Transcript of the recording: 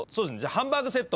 ハンバーグセット！